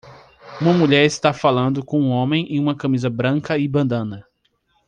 Uma mulher está falando com um homem em uma camisa branca e bandana